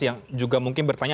yang juga mungkin bertanya